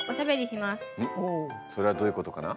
それはどういうことかな？